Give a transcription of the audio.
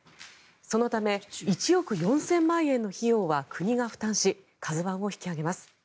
そのため１億４０００万円の費用は国が負担し「ＫＡＺＵ１」を引き揚げます。